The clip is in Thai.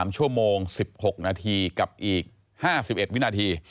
๓ชั่วโมง๑๖นาทีกับอีก๕๑วินาที